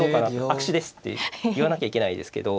「悪手です」って言わなきゃいけないですけど。